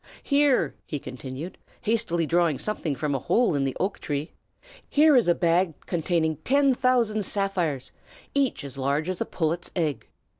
Here," he continued, hastily drawing something from a hole in the oak tree, "is a bag containing ten thousand sapphires, each as large as a pullet's egg.